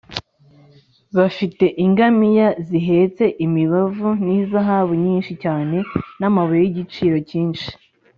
bafite ingamiya zihetse imibavu n’izahabu nyinshi cyane n’amabuye y’igiciro cyinshi